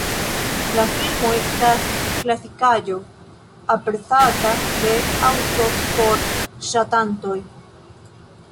La filmo estas klasikaĵo, aprezata de aŭtosport-ŝatantoj.